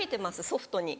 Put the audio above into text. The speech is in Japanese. ソフトに。